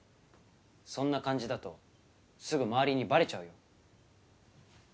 そんな感じだとすぐ周りにバレちゃうよ